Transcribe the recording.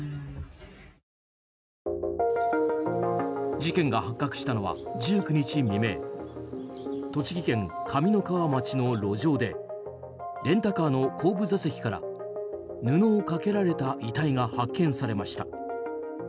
事件が発覚したのは１９日未明栃木県上三川町の路上でレンタカーの後部座席から布をかけられた遺体が発見されました。